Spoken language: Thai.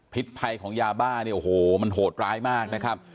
ภัยของยาบ้าเนี่ยโอ้โหมันโหดร้ายมากนะครับ